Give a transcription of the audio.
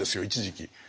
一時期。